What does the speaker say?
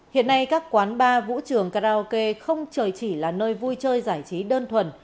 hiện nay các quán bar vũ trường karaoke không trời chỉ là nơi vui chơi giải trí đơn thuần